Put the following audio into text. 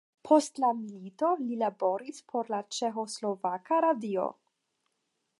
Post la milito li laboris por la Ĉeĥoslovaka radio.